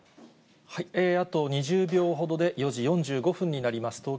あと２０秒ほどで、４時４５分になります。